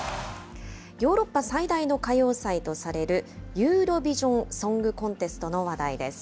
ヨーロッパ最大の歌謡祭とされる、ユーロビジョン・ソングコンテストの話題です。